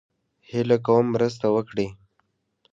هيله کوم مرسته وکړئ